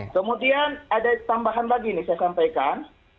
kemudian ada tambahan lagi nih saya sampaikan